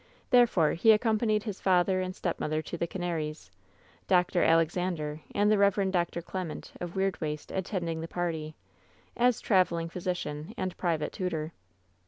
Therefore, he accompanied his father and stepmother to the Canaries — ^Dr. Alexander and the Rev. Dr. Clement, of Weirdwaste, attending the party, as traveling physician and private tutor.